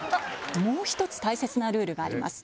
もう１つ大切なルールがあります。